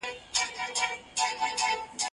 هغه وويل چي ونه مهمه ده،